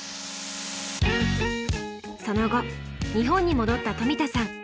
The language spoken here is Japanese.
その後日本に戻った冨田さん。